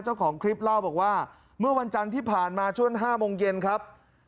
เจ้าของคลิปเล่าบอกว่าเมื่อวันจันทร์ที่ผ่านมาช่วง๕โมงเย็นครับ